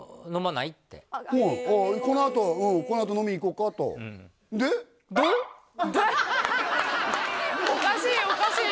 このあとうんこのあと飲みに行こうかとおかしいおかしい